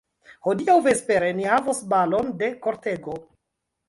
Hodiaŭ vespere ni havos balon de kortego!